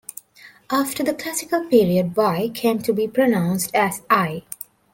After the Classical period "y" came to be pronounced as "i".